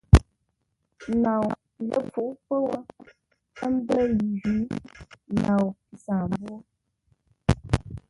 Nou pi ləpfuʼú pə́ wó, ə́ mbə́ yi jwǐ; nou pi saambwô.